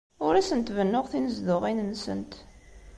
Ur asent-bennuɣ tinezduɣin-nsent.